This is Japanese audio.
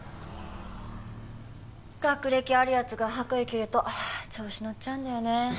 学歴ある奴が白衣着ると調子乗っちゃうんだよね。